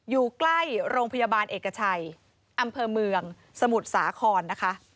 อยู่ใกล้โรงพยาบาลเอกชัยอำเภอเมืองสมุทรสาครนะคะ